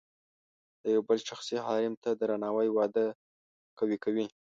د یو بل شخصي حریم ته درناوی واده قوي کوي.